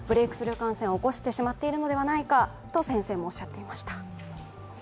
感染を起こしてしまっているのではないかと先生もおっしゃっていました。